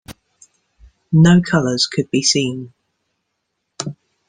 No colors could be seen.